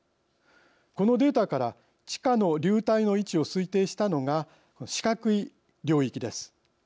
このデータから地下の流体の位置を推定したのが四角い領域です。